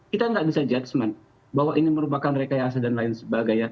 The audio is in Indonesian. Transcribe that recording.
kita tidak bisa judgement bahwa ini merupakan rekayasa dan lain sebagainya